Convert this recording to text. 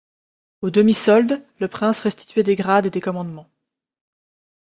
Aux demi-soldes, le prince restituait des grades et des commandements.